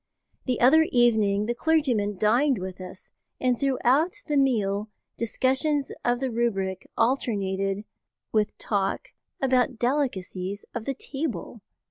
The other evening the clergyman dined with us, and throughout the meal discussions of the rubric alternated with talk about delicacies of the table!